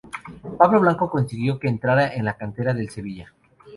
Pablo Blanco consiguió que entrara en la cantera del Sevilla.